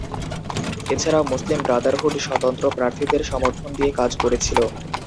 এছাড়াও, Muslim Brotherhood স্বতন্ত্র প্রার্থীদের সমর্থন দিয়ে কাজ করেছিল।